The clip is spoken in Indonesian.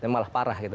malah parah gitu